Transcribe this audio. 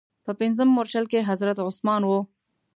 په پنځم مورچل کې حضرت عثمان و.